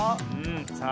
さあ